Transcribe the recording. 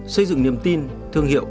xây dựng niềm tin thương hiệu